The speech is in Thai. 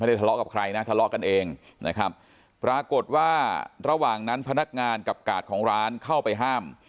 ทะเลาะกับใครนะทะเลาะกันเองนะครับปรากฏว่าระหว่างนั้นพนักงานกับกาดของร้านเข้าไปห้าม